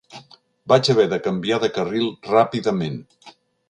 Vaig haver de canviar de carril ràpidament.